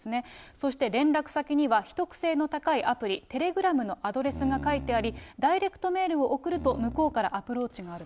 そして連絡先には、秘匿性の高いアプリ、テレグラムのアドレスが書いてあり、ダイレクトメールを送ると、向こうからアプローチがあると。